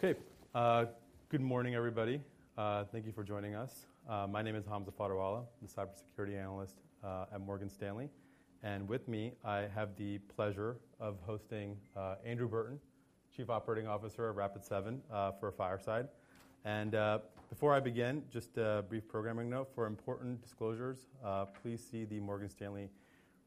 All right. Okay. Good morning, everybody. Thank you for joining us. My name is Hamza Fodderwala. I'm a cybersecurity analyst at Morgan Stanley. And with me, I have the pleasure of hosting Andrew Burton, Chief Operating Officer of Rapid7, for a fireside. And before I begin, just a brief programming note. For important disclosures, please see the Morgan Stanley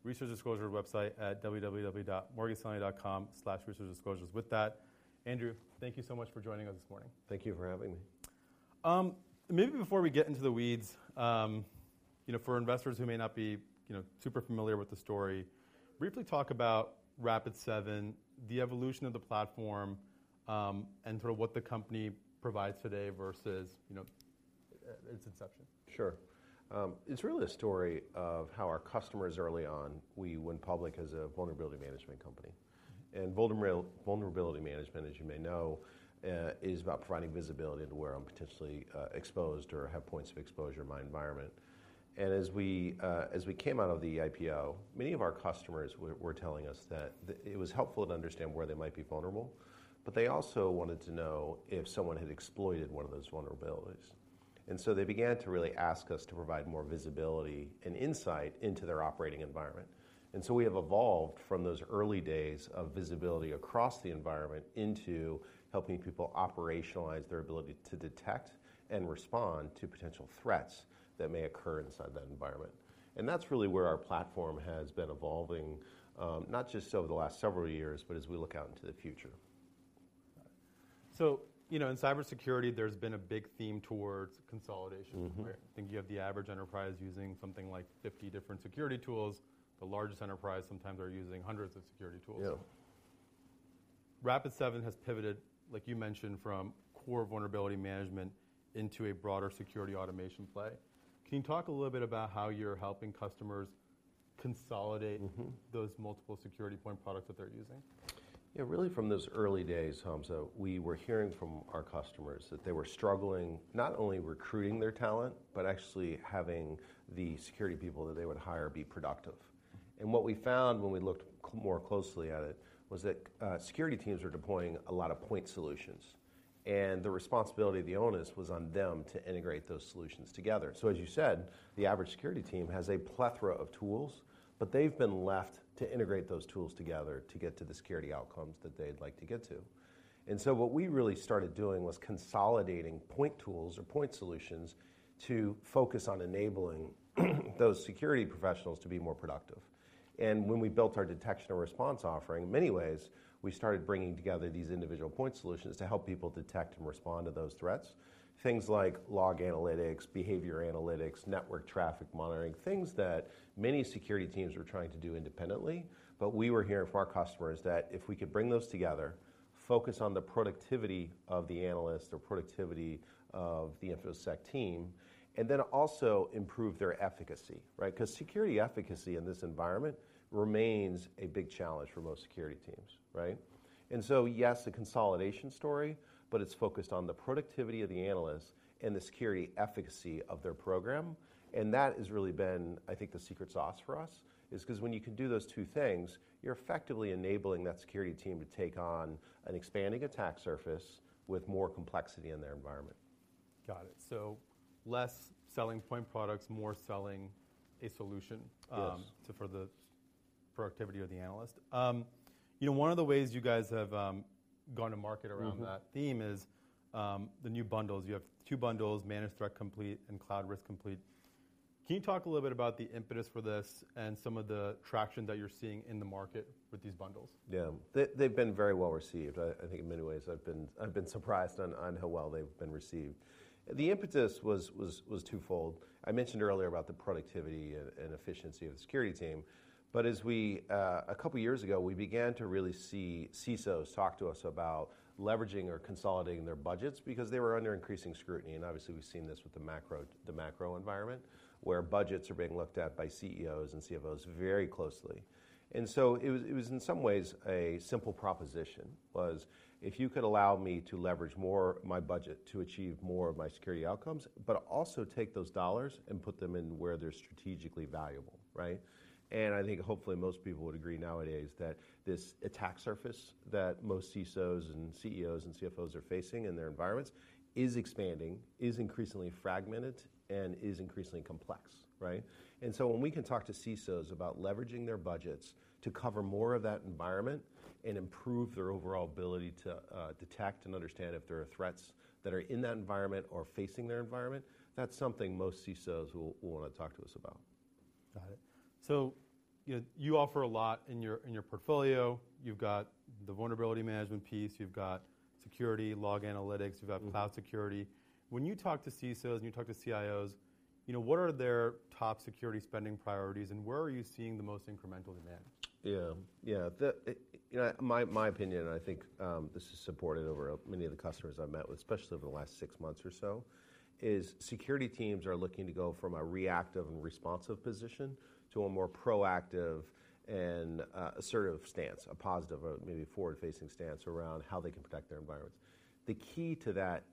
Research Disclosure website at www.morganstanley.com/researchdisclosures. With that, Andrew, thank you so much for joining us this morning. Thank you for having me. Maybe before we get into the weeds, you know, for investors who may not be, you know, super familiar with the story, briefly talk about Rapid7, the evolution of the platform, and sort of what the company provides today versus, you know, its inception. Sure. It's really a story of how our customers early on, we went public as a vulnerability management company. And vulnerability management, as you may know, is about providing visibility into where I'm potentially exposed or have points of exposure in my environment. And as we came out of the IPO, many of our customers were telling us that it was helpful to understand where they might be vulnerable, but they also wanted to know if someone had exploited one of those vulnerabilities. And so they began to really ask us to provide more visibility and insight into their operating environment. And so we have evolved from those early days of visibility across the environment into helping people operationalize their ability to detect and respond to potential threats that may occur inside that environment. That's really where our platform has been evolving, not just over the last several years, but as we look out into the future. You know, in cybersecurity, there's been a big theme towards consolidation. Mm-hmm. I think you have the average enterprise using something like 50 different security tools. The largest enterprise sometimes are using hundreds of security tools. Yeah. Rapid7 has pivoted, like you mentioned, from core vulnerability management into a broader security automation play. Can you talk a little bit about how you're helping customers consolidate Mm-hmm those multiple security point products that they're using? Yeah, really, from those early days, Hamza, we were hearing from our customers that they were struggling, not only recruiting their talent, but actually having the security people that they would hire be productive. And what we found when we looked more closely at it, was that security teams were deploying a lot of point solutions, and the responsibility, the onus, was on them to integrate those solutions together. So as you said, the average security team has a plethora of tools, but they've been left to integrate those tools together to get to the security outcomes that they'd like to get to. And so what we really started doing was consolidating point tools or point solutions to focus on enabling those security professionals to be more productive. When we built our detection and response offering, in many ways, we started bringing together these individual point solutions to help people detect and respond to those threats. Things like log analytics, behavior analytics, network traffic monitoring, things that many security teams were trying to do independently. But we were hearing from our customers that if we could bring those together, focus on the productivity of the analyst or productivity of the infosec team, and then also improve their efficacy, right? Because security efficacy in this environment remains a big challenge for most security teams, right? And so, yes, the consolidation story, but it's focused on the productivity of the analysts and the security efficacy of their program, and that has really been, I think, the secret sauce for us, is 'cause when you can do those two things, you're effectively enabling that security team to take on an expanding attack surface with more complexity in their environment. Got it. So less selling point products, more selling a solution Yes to, for the productivity of the analyst. You know, one of the ways you guys have, gone to market around Mm-hmm that theme is, the new bundles. You have two bundles: Managed Threat Complete and Cloud Risk Complete. Can you talk a little bit about the impetus for this and some of the traction that you're seeing in the market with these bundles? Yeah. They, they've been very well received. I, I think in many ways, I've been, I've been surprised on, on how well they've been received. The impetus was twofold. I mentioned earlier about the productivity and, and efficiency of the security team, but as we, a couple of years ago, we began to really see CISOs talk to us about leveraging or consolidating their budgets because they were under increasing scrutiny. And obviously, we've seen this with the macro environment, where budgets are being looked at by CEOs and CFOs very closely. And so it was in some ways a simple proposition, if you could allow me to leverage more my budget to achieve more of my security outcomes, but also take those dollars and put them in where they're strategically valuable, right? I think hopefully, most people would agree nowadays that this attack surface that most CISOs and CEOs and CFOs are facing in their environments is expanding, is increasingly fragmented, and is increasingly complex, right? So when we can talk to CISOs about leveraging their budgets to cover more of that environment and improve their overall ability to detect and understand if there are threats that are in that environment or facing their environment, that's something most CISOs will, will wanna talk to us about. Got it. So, you know, you offer a lot in your, in your portfolio. You've got the vulnerability management piece, you've got security, log analytics, you've got Mm-hmm. Cloud security. When you talk to CISOs and you talk to CIOs, you know, what are their top security spending priorities, and where are you seeing the most incremental demand? Yeah. Yeah. The, you know, my, my opinion, and I think, this is supported over, many of the customers I've met with, especially over the last six months or so, is security teams are looking to go from a reactive and responsive position to a more proactive and, assertive stance, a positive, maybe a forward-facing stance around how they can protect their environments. The key to that,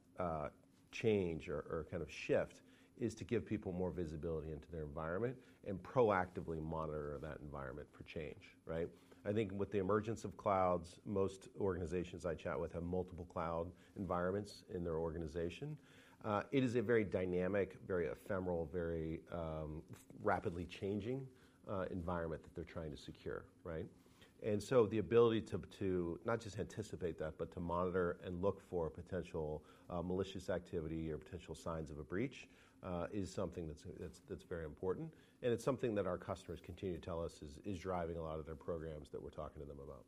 change or kind of shift is to give people more visibility into their environment and proactively monitor that environment for change, right? I think with the emergence of clouds, most organizations I chat with have multiple cloud environments in their organization. It is a very dynamic, very ephemeral, very, rapidly changing, environment that they're trying to secure, right? And so the ability to not just anticipate that, but to monitor and look for potential malicious activity or potential signs of a breach is something that's very important, and it's something that our customers continue to tell us is driving a lot of their programs that we're talking to them about.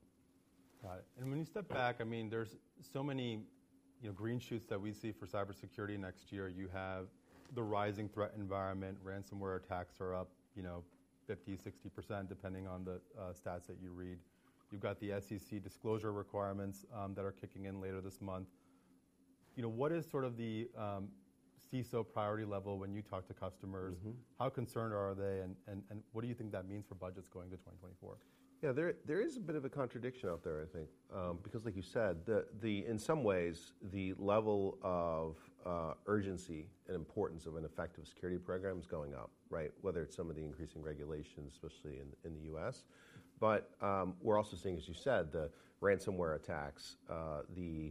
Got it. And when you step back, I mean, there's so many, you know, green shoots that we see for cybersecurity next year. You have the rising threat environment, ransomware attacks are up, you know, 50%-60%, depending on the stats that you read. You've got the SEC disclosure requirements that are kicking in later this month. You know, what is sort of the CISO priority level when you talk to customers? Mm-hmm. How concerned are they, and what do you think that means for budgets going to 2024? Yeah, there is a bit of a contradiction out there, I think, because like you said, in some ways, the level of urgency and importance of an effective security program is going up, right? Whether it's some of the increasing regulations, especially in the U.S. But we're also seeing, as you said, the ransomware attacks, the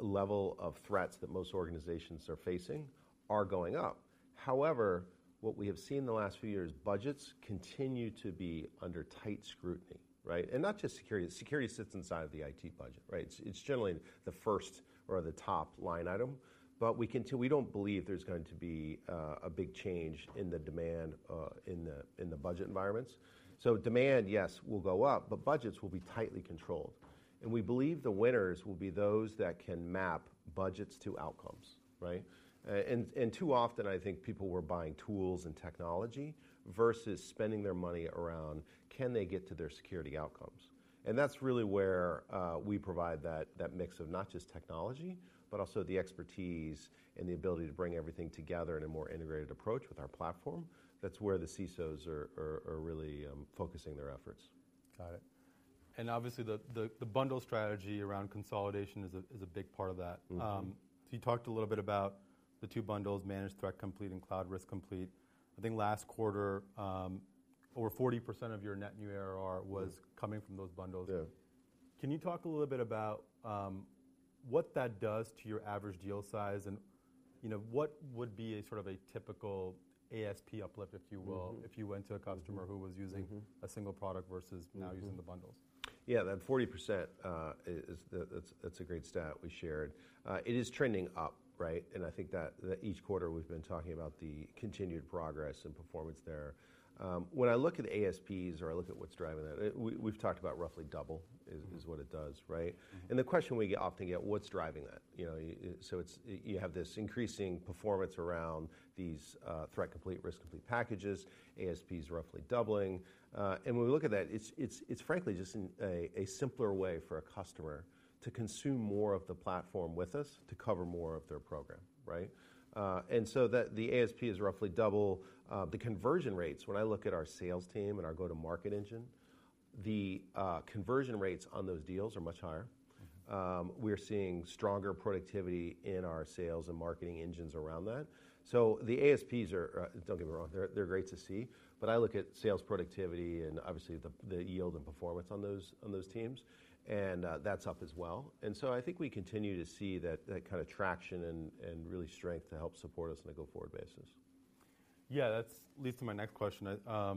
level of threats that most organizations are facing are going up. However, what we have seen the last few years, budgets continue to be under tight scrutiny, right? And not just security. Security sits inside the IT budget, right? It's generally the first or the top line item, but we can tell, we don't believe there's going to be a big change in the demand, in the budget environments. So demand, yes, will go up, but budgets will be tightly controlled, and we believe the winners will be those that can map budgets to outcomes, right? And too often, I think people were buying tools and technology versus spending their money around: Can they get to their security outcomes? And that's really where we provide that mix of not just technology, but also the expertise and the ability to bring everything together in a more integrated approach with our platform. That's where the CISOs are really focusing their efforts. Got it. And obviously, the bundle strategy around consolidation is a big part of that. Mm-hmm. So you talked a little bit about the two bundles, Managed Threat Complete and Cloud Risk Complete. I think last quarter, over 40% of your net new ARR was Mm. coming from those bundles. Yeah. Can you talk a little bit about what that does to your average deal size and, you know, what would be a sort of a typical ASP uplift, if you will Mm-hmm. If you went to a customer. Mm-hmm. who was using Mm-hmm a single product versus now Mm-hmm Using the bundles? Yeah, that 40% is the, that's, that's a great stat we shared. It is trending up, right? And I think that, that each quarter we've been talking about the continued progress and performance there. When I look at ASPs or I look at what's driving that, we, we've talked about roughly double Mm is what it does, right? Mm. The question we often get: What's driving that? You know, so it's you have this increasing performance around these Threat Complete, Risk Complete packages, ASPs roughly doubling. And when we look at that, it's frankly just a simpler way for a customer to consume more of the platform with us to cover more of their program, right? And so that the ASP is roughly double the conversion rates. When I look at our sales team and our go-to-market engine, the conversion rates on those deals are much higher. Mm. We're seeing stronger productivity in our sales and marketing engines around that. So the ASPs are, don't get me wrong, they're, they're great to see, but I look at sales productivity and obviously the, the yield and performance on those, on those teams, and, that's up as well. And so I think we continue to see that, that kind of traction and, and really strength to help support us on a go-forward basis. Yeah, that leads to my next question. I,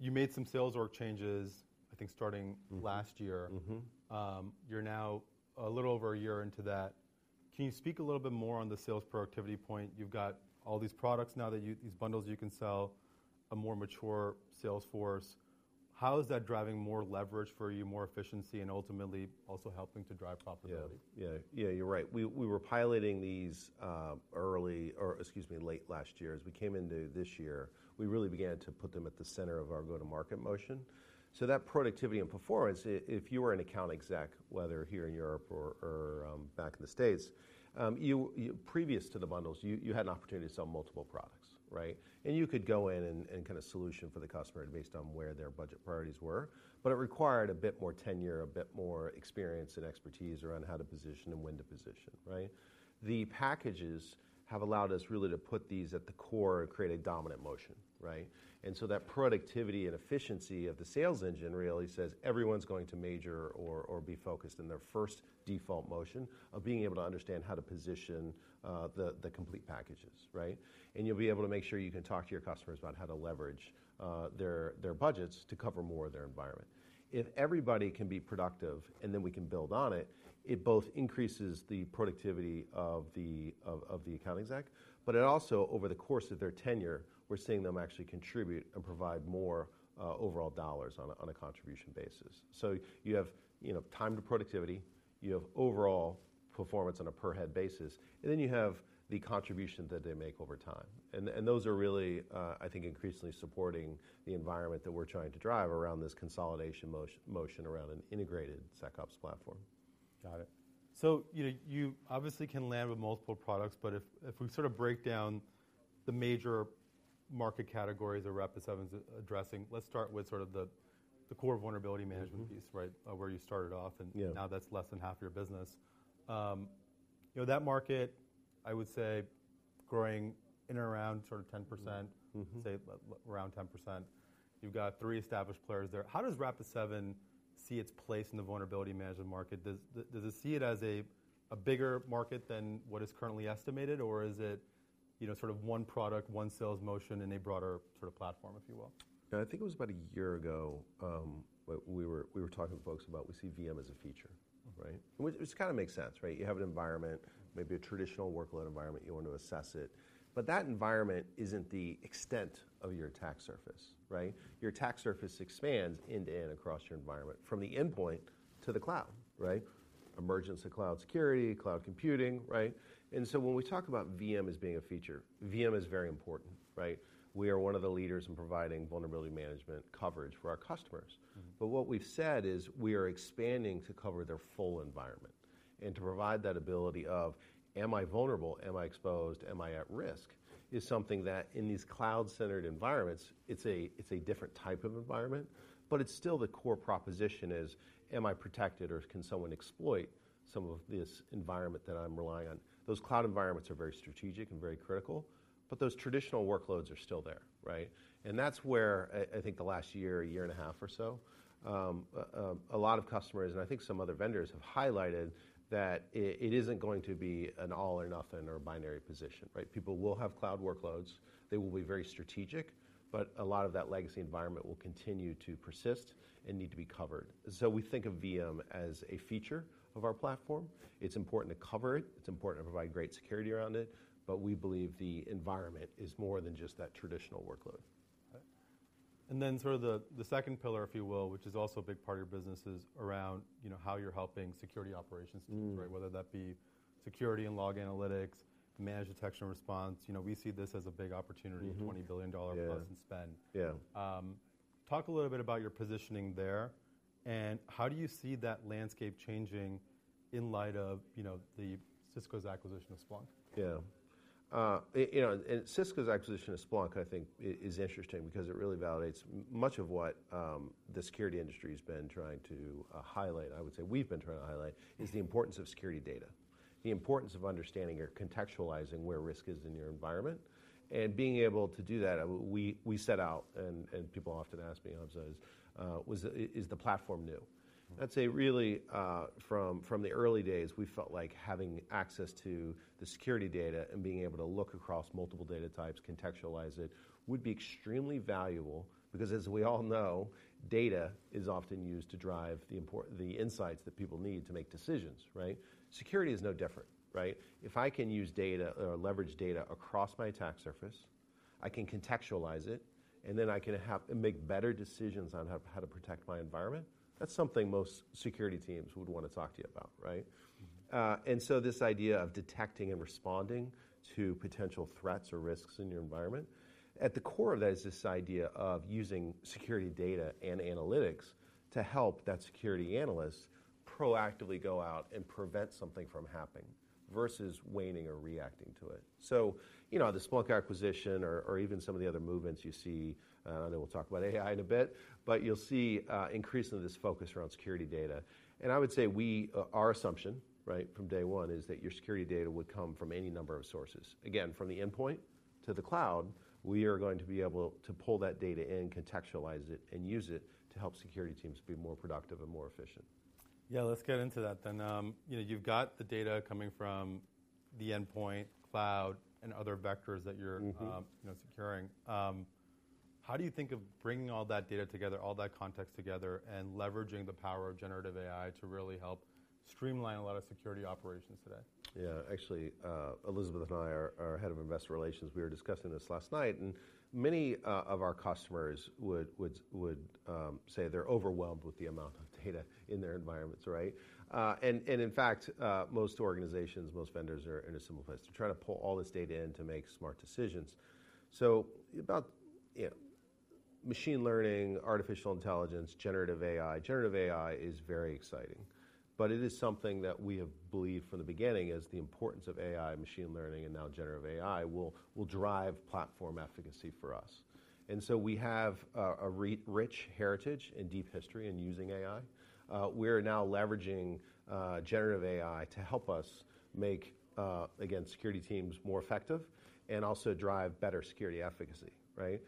you made some sales org changes, I think, starting Mm last year. Mm-hmm. You're now a little over a year into that. Can you speak a little bit more on the sales productivity point? You've got all these products now that you these bundles you can sell, a more mature sales force. How is that driving more leverage for you, more efficiency, and ultimately also helping to drive profitability? Yeah. Yeah, yeah, you're right. We were piloting these, excuse me, late last year. As we came into this year, we really began to put them at the center of our go-to-market motion. So that productivity and performance, if you were an account exec, whether here in Europe or back in the States, you previous to the bundles, you had an opportunity to sell multiple products, right? And you could go in and kind of solution for the customer and based on where their budget priorities were, but it required a bit more tenure, a bit more experience and expertise around how to position and when to position, right? The packages have allowed us really to put these at the core and create a dominant motion, right? And so that productivity and efficiency of the sales engine really says everyone's going to major or be focused in their first default motion of being able to understand how to position the complete packages, right? And you'll be able to make sure you can talk to your customers about how to leverage their budgets to cover more of their environment. If everybody can be productive, and then we can build on it, it both increases the productivity of the account exec, but it also, over the course of their tenure, we're seeing them actually contribute and provide more overall dollars on a contribution basis. So you have, you know, time to productivity, you have overall performance on a per-head basis, and then you have the contribution that they make over time. Those are really, I think, increasingly supporting the environment that we're trying to drive around this consolidation motion around an integrated SecOps platform. Got it. So, you know, you obviously can land with multiple products, but if we sort of break down the major market categories that Rapid7's addressing, let's start with sort of the core vulnerability management piece, right? Where you started off Yeah. Now that's less than half your business. You know, that market, I would say, growing in and around sort of 10%. Mm-hmm. Mm-hmm. Say, around 10%. You've got three established players there. How does Rapid7 see its place in the vulnerability management market? Does it see it as a bigger market than what is currently estimated, or is it, you know, sort of one product, one sales motion, and a broader sort of platform, if you will? I think it was about a year ago, when we were talking to folks about we see VM as a feature, right? Which kind of makes sense, right? You have an environment, maybe a traditional workload environment, you want to assess it, but that environment isn't the extent of your attack surface, right? Your attack surface expands end-to-end across your environment, from the endpoint to the cloud, right? Emergence of cloud security, cloud computing, right? And so when we talk about VM as being a feature, VM is very important, right? We are one of the leaders in providing vulnerability management coverage for our customers. Mm-hmm. But what we've said is we are expanding to cover their full environment and to provide that ability of, am I vulnerable? Am I exposed? Am I at risk? Is something that in these cloud-centered environments, it's a different type of environment, but it's still the core proposition is, am I protected, or can someone exploit some of this environment that I'm relying on? Those cloud environments are very strategic and very critical, but those traditional workloads are still there, right? And that's where I think the last year, year and a half or so, a lot of customers, and I think some other vendors, have highlighted that it isn't going to be an all or nothing or a binary position, right? People will have cloud workloads. They will be very strategic, but a lot of that legacy environment will continue to persist and need to be covered. So we think of VM as a feature of our platform. It's important to cover it. It's important to provide great security around it, but we believe the environment is more than just that traditional workload. And then sort of the second pillar, if you will, which is also a big part of your business, is around, you know, how you're helping security operations teams. Mm. Right? Whether that be security and log analytics, managed detection and response. You know, we see this as a big opportunity Mm-hmm. $20 billion plus in spend. Yeah. Yeah. Talk a little bit about your positioning there, and how do you see that landscape changing in light of, you know, Cisco's acquisition of Splunk? Yeah. You know, and Cisco's acquisition of Splunk, I think, is interesting because it really validates much of what the security industry has been trying to highlight. I would say we've been trying to highlight, is the importance of security data, the importance of understanding or contextualizing where risk is in your environment, and being able to do that. We set out, and people often ask me, obviously, is the platform new? I'd say really, from the early days, we felt like having access to the security data and being able to look across multiple data types, contextualize it, would be extremely valuable because, as we all know, data is often used to drive the insights that people need to make decisions, right? Security is no different, right? If I can use data or leverage data across my attack surface, I can contextualize it, and then I can have and make better decisions on how to protect my environment. That's something most security teams would want to talk to you about, right? Mm-hmm. And so this idea of detecting and responding to potential threats or risks in your environment, at the core of that is this idea of using security data and analytics to help that security analyst proactively go out and prevent something from happening versus waiting or reacting to it. So, you know, the Splunk acquisition or, or even some of the other movements you see, and then we'll talk about AI in a bit, but you'll see increasingly this focus around security data. And I would say we, our assumption, right, from day one is that your security data would come from any number of sources. Again, from the endpoint to the cloud, we are going to be able to pull that data in, contextualize it, and use it to help security teams be more productive and more efficient. Yeah, let's get into that then. You know, you've got the data coming from the endpoint, cloud, and other vectors that you're Mm-hmm you know, securing. How do you think of bringing all that data together, all that context together, and leveraging the power of Generative AI to really help streamline a lot of security operations today? Yeah. Actually, Elizabeth and I, our head of investor relations, we were discussing this last night, and many of our customers would say they're overwhelmed with the amount of data in their environments, right? And in fact, most organizations, most vendors are in a similar place to try to pull all this data in to make smart decisions. So about, you know, machine learning, artificial intelligence, generative AI, generative AI is very exciting, but it is something that we have believed from the beginning, is the importance of AI, machine learning, and now generative AI will drive platform efficacy for us. And so we have a rich heritage and deep history in using AI. We are now leveraging Generative AI to help us make again security teams more effective and also drive better security efficacy, right?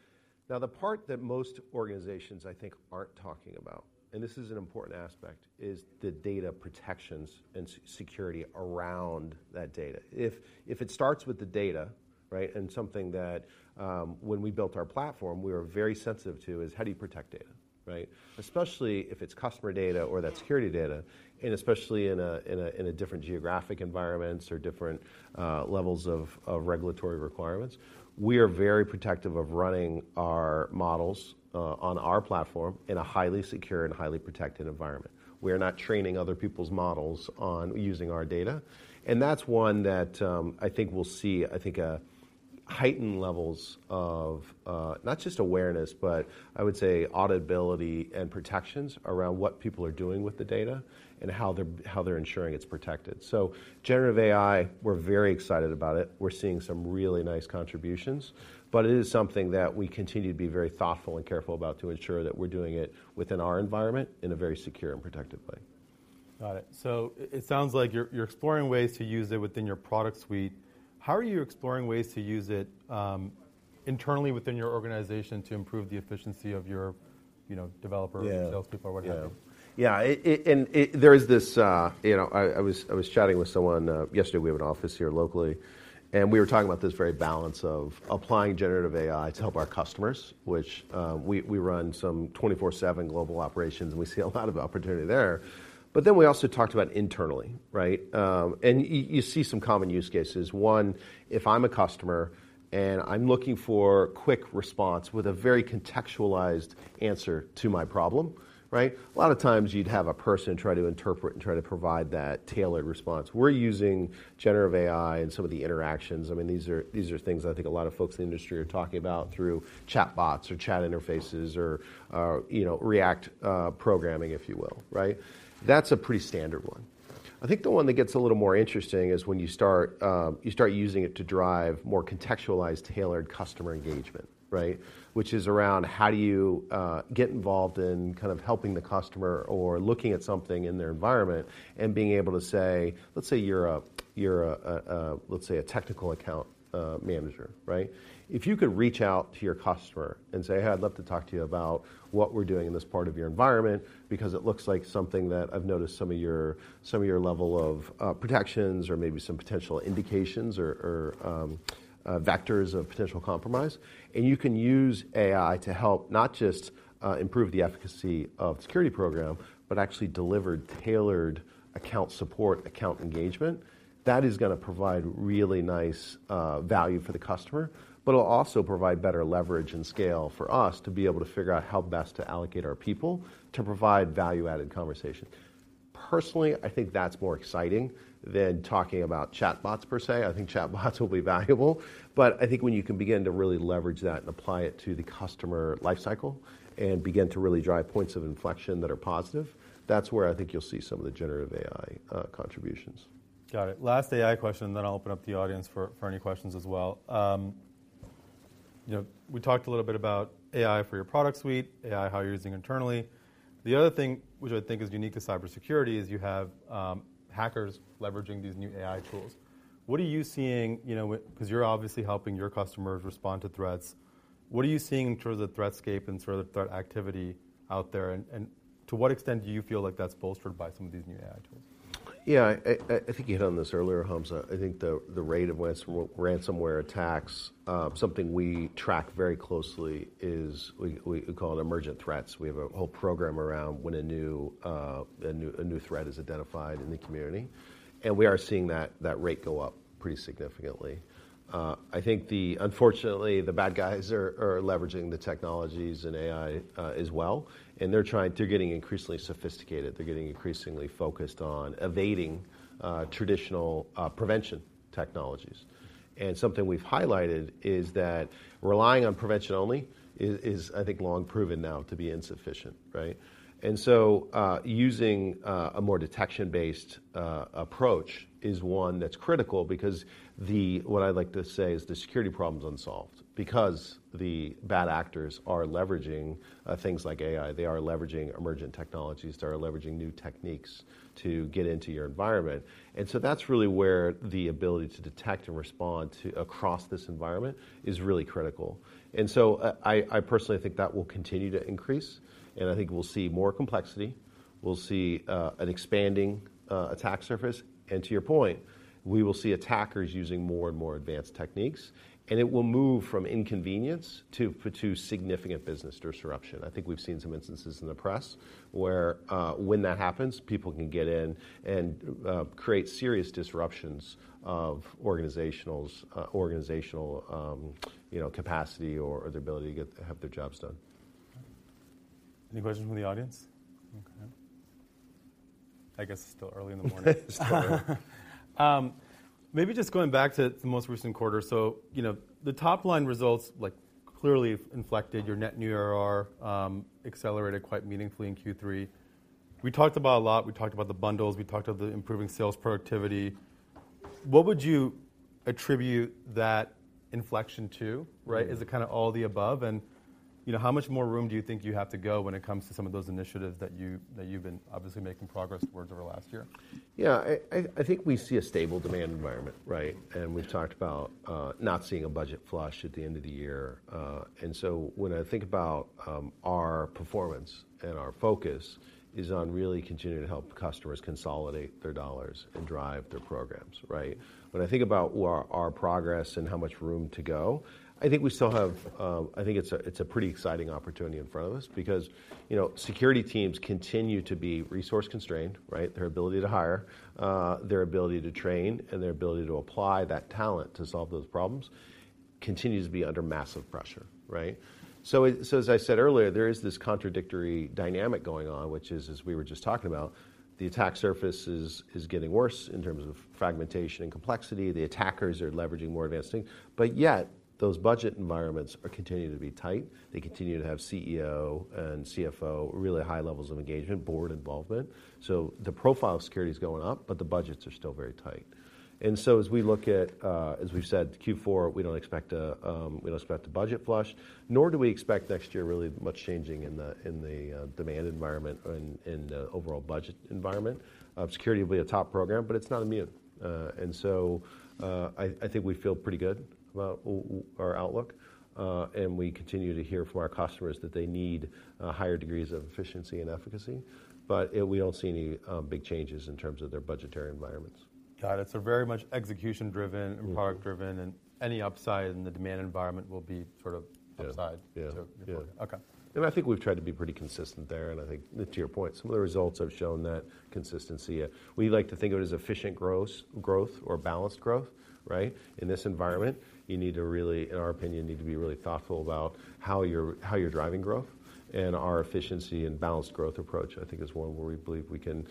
Now, the part that most organizations I think aren't talking about, and this is an important aspect, is the data protections and security around that data. If it starts with the data, right, and something that when we built our platform, we were very sensitive to, is how do you protect data, right? Especially if it's customer data or that security data, and especially in a different geographic environments or different levels of regulatory requirements. We are very protective of running our models on our platform in a highly secure and highly protected environment. We are not training other people's models on using our data, and that's one that, I think we'll see, I think, heightened levels of, not just awareness, but I would say auditability and protections around what people are doing with the data and how they're, how they're ensuring it's protected. So generative AI, we're very excited about it. We're seeing some really nice contributions, but it is something that we continue to be very thoughtful and careful about to ensure that we're doing it within our environment in a very secure and protected way. Got it. So it sounds like you're exploring ways to use it within your product suite. How are you exploring ways to use it internally within your organization to improve the efficiency of your, you know, developer Yeah. salespeople or what have you? Yeah, there is this, you know, I was chatting with someone yesterday. We have an office here locally, and we were talking about this very balance of applying Generative AI to help our customers, which we run some 24/7 global operations, and we see a lot of opportunity there. But then we also talked about internally, right? And you see some common use cases. One, if I'm a customer and I'm looking for quick response with a very contextualized answer to my problem, right? A lot of times, you'd have a person try to interpret and try to provide that tailored response. We're using Generative AI and some of the interactions. I mean, these are things I think a lot of folks in the industry are talking about through chatbots or chat interfaces or, you know, React programming, if you will, right? That's a pretty standard one. I think the one that gets a little more interesting is when you start using it to drive more contextualized, tailored customer engagement, right? Which is around how do you get involved in kind of helping the customer or looking at something in their environment and being able to say, let's say you're a, let's say, a technical account manager, right? If you could reach out to your customer and say, "Hey, I'd love to talk to you about what we're doing in this part of your environment, because it looks like something that I've noticed some of your level of protections or maybe some potential indications or vectors of potential compromise." And you can use AI to help not just improve the efficacy of security program, but actually delivered tailored account support, account engagement, that is gonna provide really nice value for the customer. But it'll also provide better leverage and scale for us to be able to figure out how best to allocate our people to provide value-added conversation. Personally, I think that's more exciting than talking about chatbots per se. I think chatbots will be valuable, but I think when you can begin to really leverage that and apply it to the customer life cycle and begin to really drive points of inflection that are positive, that's where I think you'll see some of the Generative AI contributions. Got it. Last AI question, then I'll open up the audience for any questions as well. You know, we talked a little bit about AI for your product suite, AI, how you're using internally. The other thing, which I think is unique to cybersecurity, is you have hackers leveraging these new AI tools. What are you seeing, you know, with 'cause you're obviously helping your customers respond to threats. What are you seeing in terms of the threatscape and sort of threat activity out there, and to what extent do you feel like that's bolstered by some of these new AI tools? Yeah, I think you hit on this earlier, Hamza. I think the rate of ransomware attacks, something we track very closely is we call it emergent threats. We have a whole program around when a new threat is identified in the community, and we are seeing that rate go up pretty significantly. I think unfortunately, the bad guys are leveraging the technologies and AI as well, and they're getting increasingly sophisticated. They're getting increasingly focused on evading traditional prevention technologies. And something we've highlighted is that relying on prevention only is, I think, long proven now to be insufficient, right? And so, using a more detection-based approach is one that's critical because what I'd like to say is the security problem is unsolved. Because the bad actors are leveraging things like AI, they are leveraging emergent technologies, they are leveraging new techniques to get into your environment. And so that's really where the ability to detect and respond to across this environment is really critical. And so, I personally think that will continue to increase, and I think we'll see more complexity. We'll see an expanding attack surface. And to your point, we will see attackers using more and more advanced techniques, and it will move from inconvenience to significant business disruption. I think we've seen some instances in the press where when that happens, people can get in and create serious disruptions of organizational you know, capacity or their ability to get have their jobs done. Any questions from the audience? Okay. I guess it's still early in the morning. Maybe just going back to the most recent quarter. So, you know, the top-line results like clearly inflected. Your net new ARR accelerated quite meaningfully in Q3. We talked about a lot. We talked about the bundles, we talked about the improving sales productivity. What would you attribute that inflection to, right? Mm. Is it kind of all the above, and, you know, how much more room do you think you have to go when it comes to some of those initiatives that you've been obviously making progress towards over the last year? Yeah. I think we see a stable demand environment, right? Mm-hmm. We've talked about not seeing a budget flush at the end of the year. When I think about our performance and our focus is on really continuing to help customers consolidate their dollars and drive their programs, right? When I think about our progress and how much room to go, I think we still have. I think it's a pretty exciting opportunity in front of us because, you know, security teams continue to be resource-constrained, right? Their ability to hire, their ability to train, and their ability to apply that talent to solve those problems continues to be under massive pressure, right? So as I said earlier, there is this contradictory dynamic going on, which is, as we were just talking about, the attack surface is getting worse in terms of fragmentation and complexity. The attackers are leveraging more advanced things, but yet those budget environments are continuing to be tight. They continue to have CEO and CFO, really high levels of engagement, board involvement. So the profile of security is going up, but the budgets are still very tight. And so as we've said, Q4, we don't expect a budget flush, nor do we expect next year really much changing in the demand environment and in the overall budget environment. Security will be a top program, but it's not immune. And so I think we feel pretty good about our outlook. We continue to hear from our customers that they need higher degrees of efficiency and efficacy, but we don't see any big changes in terms of their budgetary environments. Got it. So very much execution driven Mm and product driven, and any upside in the demand environment will be sort of upside Yeah, yeah to report. Okay. I think we've tried to be pretty consistent there, and I think to your point, some of the results have shown that consistency. We like to think of it as efficient gross growth or balanced growth, right? In this environment, you need to really, in our opinion, you need to be really thoughtful about how you're driving growth. Our efficiency and balanced growth approach, I think, is one where we believe we can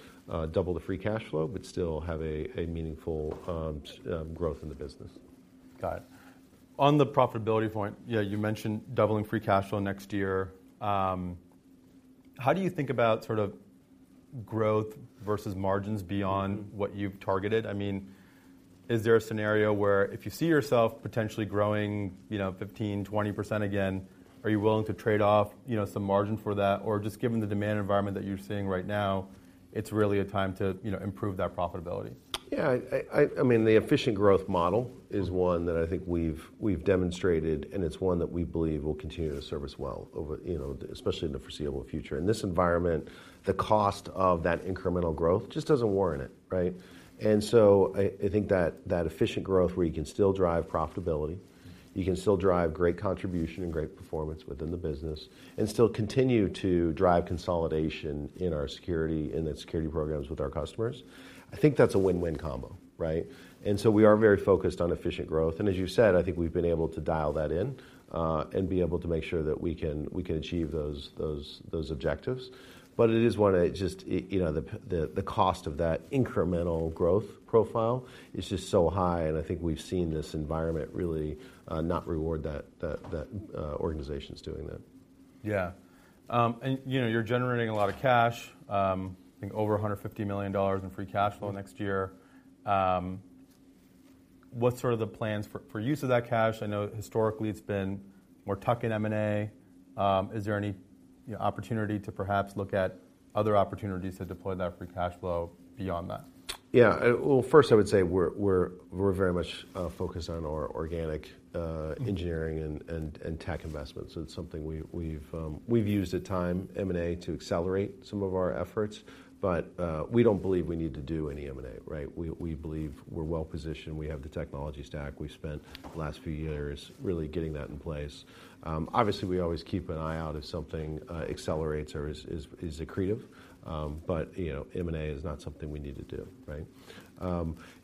double the free cash flow but still have a meaningful growth in the business. Got it. On the profitability point, yeah, you mentioned doubling free cash flow next year. How do you think about sort of growth versus margins beyond Mm What you've targeted? I mean, is there a scenario where if you see yourself potentially growing, you know, 15% to 20% again, are you willing to trade off, you know, some margin for that? Or just given the demand environment that you're seeing right now, it's really a time to, you know, improve that profitability. Yeah, I mean, the efficient growth model is one Mm that I think we've demonstrated, and it's one that we believe will continue to serve us well over, you know, especially in the foreseeable future. In this environment, the cost of that incremental growth just doesn't warrant it, right? And so I think that efficient growth, where you can still drive profitability, you can still drive great contribution and great performance within the business, and still continue to drive consolidation in our security, in the security programs with our customers, I think that's a win-win combo, right? And so we are very focused on efficient growth, and as you said, I think we've been able to dial that in, and be able to make sure that we can achieve those objectives. But it is one I just you know, the cost of that incremental growth profile is just so high, and I think we've seen this environment really not reward organizations doing that. Yeah. And you know, you're generating a lot of cash, I think over $150 million in free cash flow next year. What's sort of the plans for use of that cash? I know historically it's been more tuck-in M&A. Is there any, you know, opportunity to perhaps look at other opportunities to deploy that free cash flow beyond that? Yeah. Well, first, I would say we're very much focused on our organic Mm engineering and tech investments. So it's something we used at times, M&A, to accelerate some of our efforts, but we don't believe we need to do any M&A, right? We believe we're well positioned. We have the technology stack. We've spent the last few years really getting that in place. Obviously, we always keep an eye out if something accelerates or is accretive. But you know, M&A is not something we need to do, right?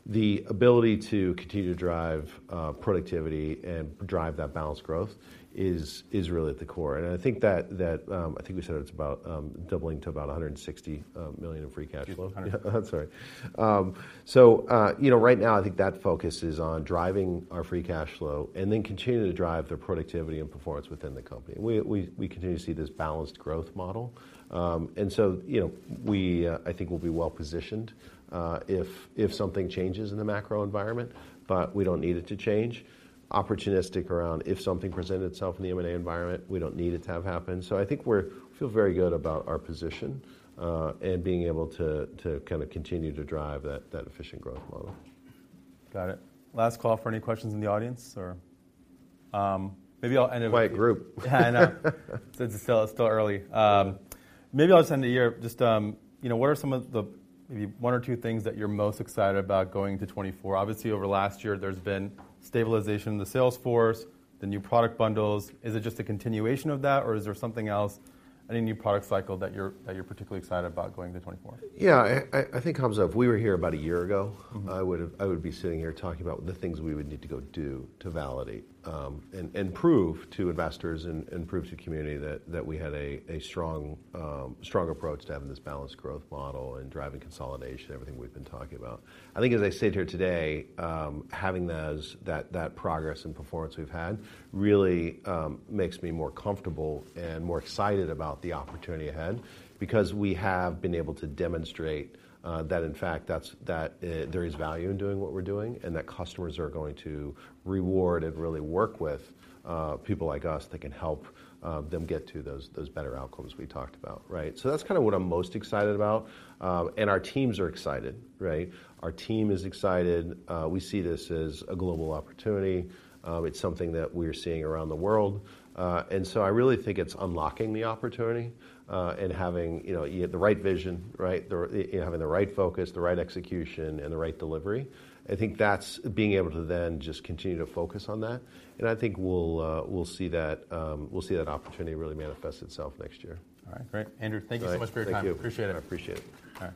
The ability to continue to drive productivity and drive that balanced growth is really at the core, and I think that I think we said it's about doubling to about $160 million in free cash flow. Mm-hmm. Yeah. I'm sorry. So, you know, right now, I think that focus is on driving our free cash flow and then continuing to drive the productivity and performance within the company. We continue to see this balanced growth model. And so, you know, I think we'll be well positioned, if something changes in the macro environment, but we don't need it to change. Opportunistic around, if something presented itself in the M&A environment, we don't need it to have happen. So I think we feel very good about our position, and being able to kind of continue to drive that efficient growth model. Got it. Last call for any questions in the audience, or, maybe I'll end with Quiet group. Yeah, I know. It's still early. Maybe I'll just end the year. Just, you know, what are some of the, maybe one or two things that you're most excited about going to 2024? Obviously, over the last year, there's been stabilization in the sales force, the new product bundles. Is it just a continuation of that, or is there something else, any new product cycle that you're particularly excited about going to 2024? Yeah, I think it comes up. If we were here about a year ago Mm-hmm... I would've, I would be sitting here talking about the things we would need to go do to validate, and prove to investors and prove to community that we had a strong approach to having this balanced growth model and driving consolidation, everything we've been talking about. I think, as I sit here today, having that progress and performance we've had, really makes me more comfortable and more excited about the opportunity ahead because we have been able to demonstrate that, in fact, that there is value in doing what we're doing, and that customers are going to reward and really work with people like us that can help them get to those better outcomes we talked about, right? So that's kind of what I'm most excited about. And our teams are excited, right? Our team is excited. We see this as a global opportunity. It's something that we're seeing around the world. And so I really think it's unlocking the opportunity, and having, you know, you have the right vision, right? The, having the right focus, the right execution, and the right delivery. I think that's being able to then just continue to focus on that, and I think we'll, we'll see that, we'll see that opportunity really manifest itself next year. All right. Great, Andrew, thank you so much for your time. Thank you. Appreciate it. I appreciate it. All right.